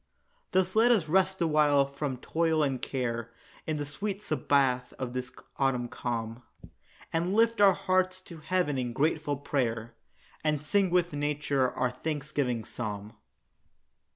Thus let us rest awhile from toil and care, In the sweet sabbath of this autumn calm, And lift our hearts to heaven in grateful prayer, And sing with nature our thanksgiving psalm.